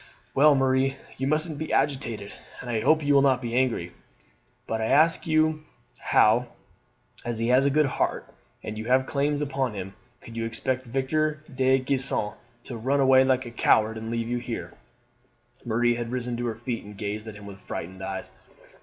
"Well, Marie, you mustn't be agitated, and I hope you will not be angry; but I ask you how, as he has a good heart, and you have claims upon him, could you expect Victor de Gisons to run away like a coward and leave you here?" Marie had risen to her feet and gazed at him with frightened eyes.